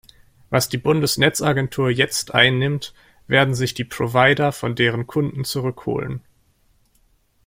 Was die Bundesnetzagentur jetzt einnimmt, werden sich die Provider von deren Kunden zurück holen.